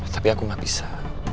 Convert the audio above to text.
tapi aku gak bisa